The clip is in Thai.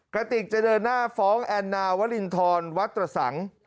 กระติกจะเดินหน้าฟ้องแอนนาวรินทรวัตรสัง